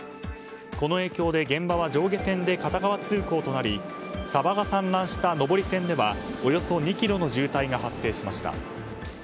この影響で現場は上下線で片側通行となりサバが散乱した上り線ではおよそ２ｋｍの渋滞が発生しました。